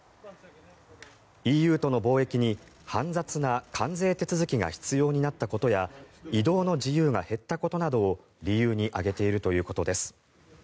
ＥＵとの貿易に煩雑な関税手続きが必要になったことや移動の自由が減ったことなどを理由に挙げているということです。